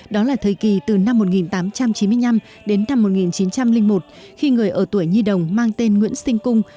đó là thời kỳ từ năm một nghìn tám trăm chín mươi năm đến năm một nghìn chín trăm linh một khi người ở tuổi nhi đồng mang tên nguyễn sinh cung